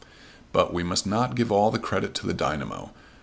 But we must not give all the credit to the dynamo.